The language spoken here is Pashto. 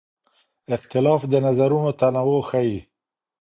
اختلاف د نظرونو تنوع ښيي.